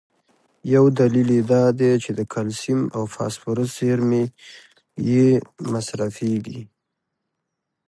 یو دلیل یې دا دی چې د کلسیم او فاسفورس زیرمي یې مصرفېږي.